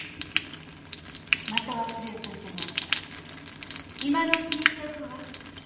また忘れるといけないから今のうちに言っておくわ。